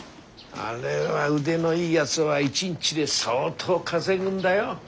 あれは腕のいいやづは一日で相当稼ぐんだよ。